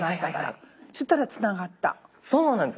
そうなんです。